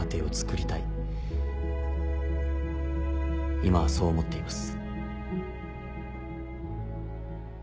今はそう思っています。